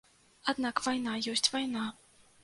Аднак вайна ёсць вайна.